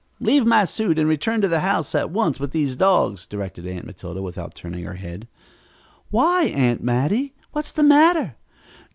"Leave my suit and return to the house at once with these dogs," directed Aunt Matilda without turning her head. "Why, Aunt Mattie, what's the matter?"